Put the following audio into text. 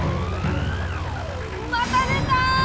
また出た！